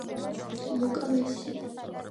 ლუკა მესი